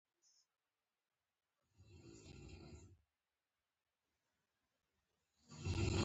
د ځمکې په سر د جنت جوړولو لپاره خواشني شو.